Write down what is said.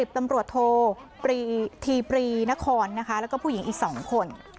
ตำรวจโทปรีธีปรีนครนะคะแล้วก็ผู้หญิงอีก๒คน